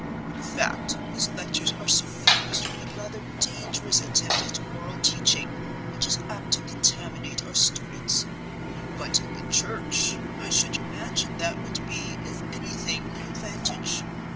In fact, his lectures are suffused with a rather dangerous attempt at moral teaching which is apt to contaminate our students. But in the Church I should imagine that would be, if anything, an advantage.